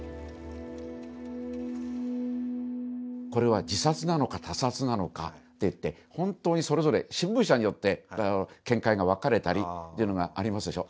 これは自殺なのか他殺なのかっていって本当にそれぞれ新聞社によって見解が分かれたりっていうのがありますでしょ。